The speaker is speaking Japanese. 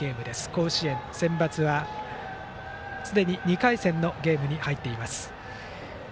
甲子園、センバツはすでに２回戦のゲームに入っています。